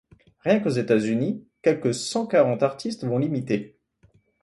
Rien qu’aux États-Unis, quelque cent cinquante artistes vont l’imiter.